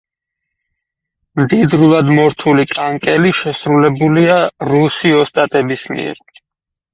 მდიდრულად მორთული კანკელი შესრულებულია რუსი ოსტატების მიერ.